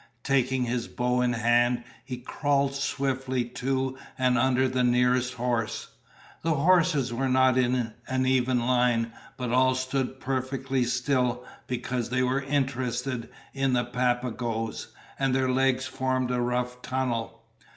Taking his bow in hand, he crawled swiftly to and under the nearest horse. The horses were not in an even line, but all stood perfectly still because they were interested in the Papagoes, and their legs formed a rough tunnel.